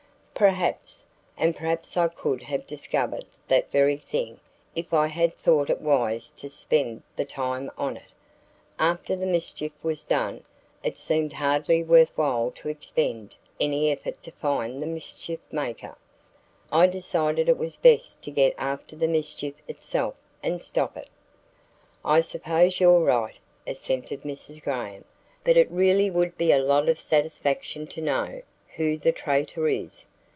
"Perhaps; and perhaps I could have discovered that very thing if I had thought it wise to spend the time on it. After the mischief was done, it seemed hardly worth while to expend any effort to find the mischief maker. I decided it was best to get after the mischief itself and stop it." "I suppose you're right," assented Mrs. Graham. "But it really would be a lot of satisfaction to know who the traitor is."